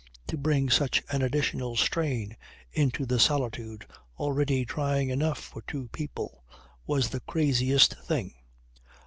To bring such an additional strain into the solitude already trying enough for two people was the craziest thing.